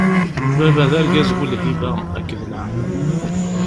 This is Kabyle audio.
Baba, d argaz bu-lhiba akked laɛqel.